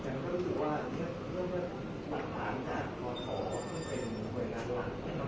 หลักภายในบ้านเมืองหลักภายในการสอบเวลาหลักภายในการสอบเวลา